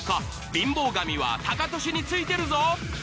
貧乏神はタカトシについてるぞ。